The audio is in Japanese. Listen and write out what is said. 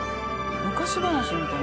昔話みたいな。